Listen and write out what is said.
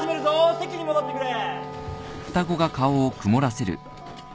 席に戻ってくれ。